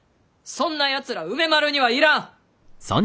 そんなやつらは梅丸には要らん。